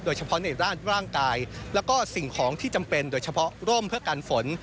ในร่างกายแล้วก็สิ่งของที่จำเป็นโดยเฉพาะร่มเพื่อกันฝน